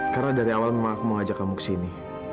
karena dari awal memang aku mau ajak kamu kesini